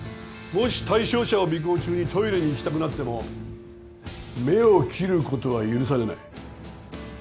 もし対象者を尾行中にトイレに行きたくなっても目を切ることは許されない。